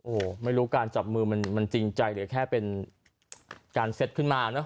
โอ้โหไม่รู้การจับมือมันจริงใจเหลือแค่เป็นการเซ็ตขึ้นมาเนอะ